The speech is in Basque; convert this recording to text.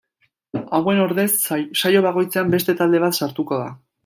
Hauen ordez, saio bakoitzean beste talde bat sartuko da.